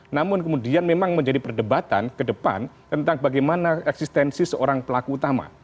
namun kemudian memang menjadi perdebatan ke depan tentang bagaimana eksistensi seorang pelaku utama